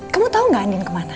kamu tahu gak andin kemana